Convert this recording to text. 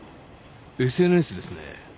ＳＮＳですね。